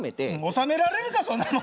収められるかそんなもの！